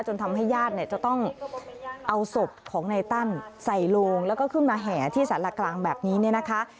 ทำให้ญาติเนี่ยจะต้องเอาศพของในตั้นใส่โลงแล้วก็ขึ้นมาแห่ที่สารกลางแบบนี้เนี่ยนะคะ